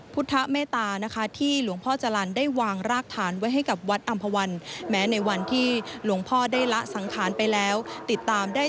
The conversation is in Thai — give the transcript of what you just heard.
พระคุณแผนเคลือบพิมพ์ใหญ่สี่สี